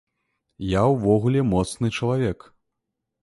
Я ўвогуле моцны чалавек.